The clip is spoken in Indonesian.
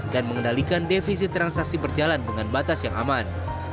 dan mengendalikan defisi transaksi berjalan dengan batas yang aman